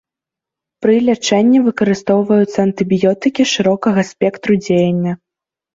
Пры лячэнні выкарыстоўваюцца антыбіётыкі шырокага спектру дзеяння.